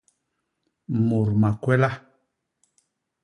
Mut makwela.